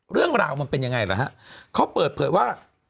เรื่องราวมันเป็นยังไงล่ะฮะเขาเปิดเผยว่า